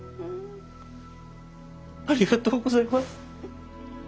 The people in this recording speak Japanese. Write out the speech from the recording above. ありがとうございます。